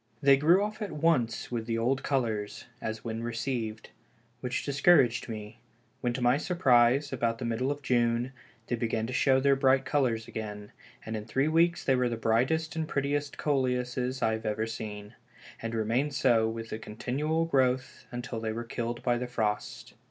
They grew off at once with the old colors (as when received), which discouraged me again, when to my surprise, about the middle of June, they began to show their bright colors again, and in three weeks they were the brightest and prettiest Coleuses I have ever seen, and remained so with a continual growth until they were killed by the frost.